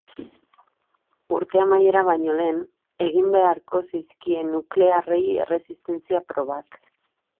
Urte amaiera baino lehen egin beharko zaizkie nuklearrei erresistentzia probak.